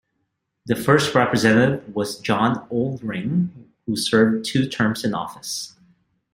The first representative was John Oldring who served two terms in office.